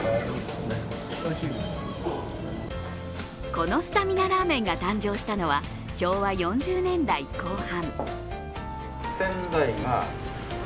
このスタミナラーメンが誕生したのは昭和４０年代後半。